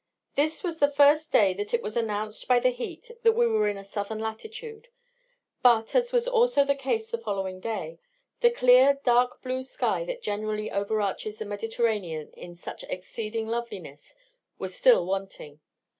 This was the first day that it was announced by the heat that we were in a southern latitude; but, as was also the case the following day, the clear dark blue sky that generally overarches the Mediterranean in such exceeding loveliness, was still wanting.